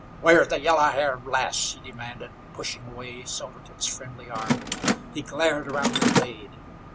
"Where's the yellow haired lass?" he demanded, pushing away Silvertip's friendly arm. He glared around the glade.